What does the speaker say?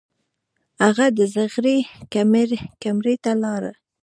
هغه د زغرې کمرې ته لاړ.